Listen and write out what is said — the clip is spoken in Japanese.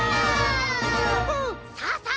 さあさあ